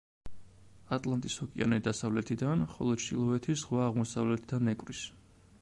ატლანტის ოკეანე დასავლეთიდან, ხოლო ჩრდილოეთის ზღვა აღმოსავლეთიდან ეკვრის.